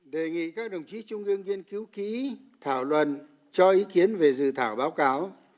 đề nghị các đồng chí trung ương nghiên cứu kỹ thảo luận cho ý kiến về dự thảo báo cáo